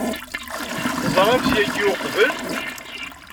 Teẓram-t yagi uqbel?